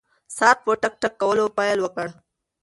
ساعت په ټک ټک کولو پیل وکړ.